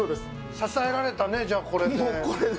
支えられたね、じゃあ、これで。